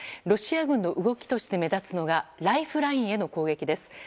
ロシア軍の動きとして目立つのがライフラインへの攻撃です。